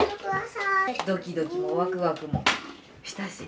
ドキドキもワクワクもしたし。